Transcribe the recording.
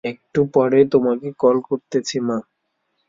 একটু পরে তোমাকে কল করতেছি মা।